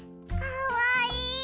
かわいい！